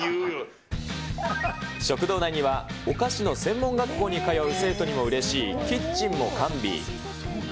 食堂内にはお菓子の専門学校に通う生徒にもうれしいキッチンも完備。